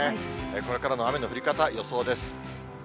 これからの雨の降り方、予想です。